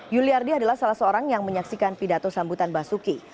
yuliardi adalah salah seorang yang menyaksikan pidato sambutan basuki